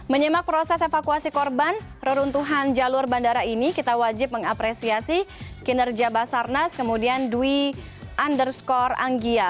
menyimak proses evakuasi korban reruntuhan jalur bandara ini kita wajib mengapresiasi kinerja basarnas kemudian dwi underscore anggia